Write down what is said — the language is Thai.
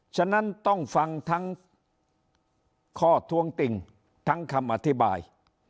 ฉะนั้นต้องฟังทั้งข้อท้วงติ่งทั้งคำอธิบาย